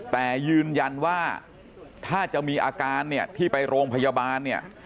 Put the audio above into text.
แต่ยืนยันว่าถ้าจะมีอาการที่ไปโรงพยาบาล